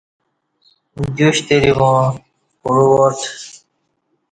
دیو شتری واں پعو واٹ